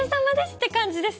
って感じです。